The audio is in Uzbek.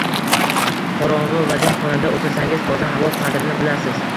Qorong‘i va dim xonada o‘tirsangiz toza havo qadrini bilasiz.